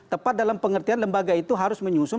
tepat dalam pengertian lembaga itu harus menyusun